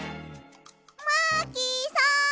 マーキーさん！